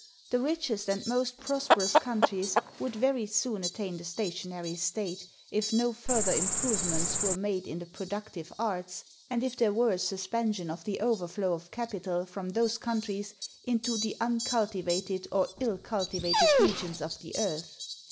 The richest and most prosperous countries would very soon attain the stationary state, if no further improvements were made in the productive arts, and if there were a suspension of the overflow of capital from those countries into the uncultivated or ill cultivated regions of the earth.